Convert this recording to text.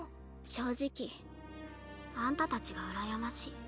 正直あんたたちが羨ましい。